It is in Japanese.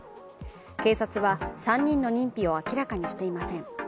警察は３人の認否を明らかにしていません。